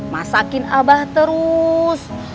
masakin abah terus